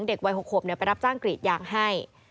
เด็กวัย๖ขวบไปรับจ้างกรีดยางให้